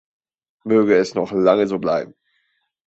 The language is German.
Möge es noch lange so bleiben.